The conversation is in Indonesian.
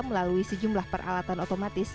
melalui sejumlah peralatan otomatis